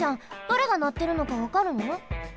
どれがなってるのかわかるの？